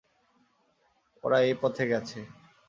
ওরা এই পথে গেছে।